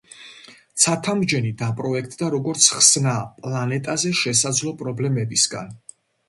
ცათამბჯენი დაპროექტდა როგორც ხსნა პლანეტაზე შესაძლო პრობლემებისგან.